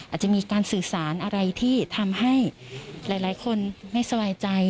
อาจจะมีการสื่อสารอะไรที่ทำให้หลายคนไม่สบายใจ